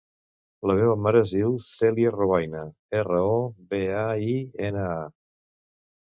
La meva mare es diu Cèlia Robaina: erra, o, be, a, i, ena, a.